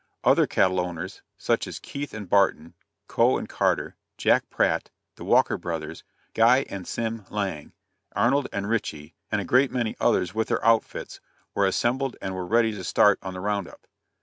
Other cattle owners, such as Keith and Barton, Coe and Carter, Jack Pratt, the Walker Brothers, Guy and Sim Lang, Arnold and Ritchie and a great many others with their outfits, were assembled and were ready to start on the round up.